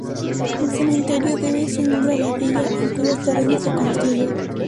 El cementerio debe su nombre a la villa en cuyos terrenos se construyó.